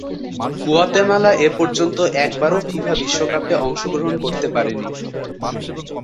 Guatemala এপর্যন্ত একবারও FIFA বিশ্বকাপে অংশগ্রহণ করতে পারেনি।